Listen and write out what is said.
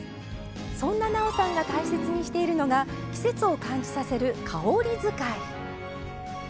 そんな、なおさんが大切にしているのが季節を感じさせる「香り使い」。